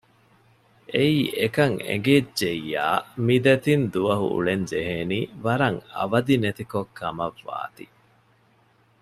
އެއީ އެކަން އެނގިއްޖެއްޔާ މި ދެތިން ދުވަހު އުޅެންޖެހޭނީ ވަރަށް އަވަދިނެތި ކޮށް ކަމަށް ވާތީ